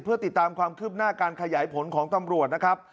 เพื่อติดตามความคืบหน้าการขยายผลของตำรวจนะครับ